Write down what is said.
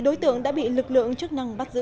đối tượng đã bị lực lượng chức năng bắt giữ